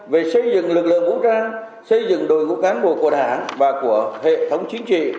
về xây dựng lực lượng vũ trang xây dựng đội ngũ cán bộ của đảng và của hệ thống chính trị